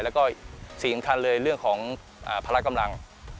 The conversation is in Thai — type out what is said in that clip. แล้วก็สิ่งทางเลยเรื่องของพลักษณ์กำลัง